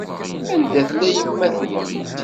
Anda tella yemma-twent?